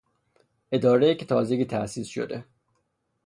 ادارهای که تازگی تاسیس شده